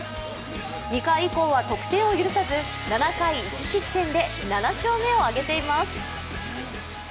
２回以降は得点を許さず７回１失点で７勝目を挙げています。